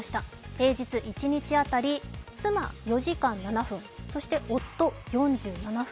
平日一日当たり、妻４時間７分そして夫、４７分。